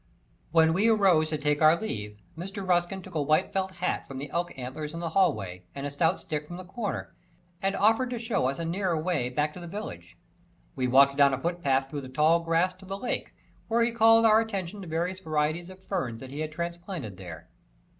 When we arose to take our leave, Mr. Ruskin took a white felt hat from the elk antlers in the hallway and a stout stick from the corner, and offered to show us a nearer way back to the village. We walked down a footpath through the tall grass to the lake, where he called our attention to various varieties of ferns that he had transplanted there.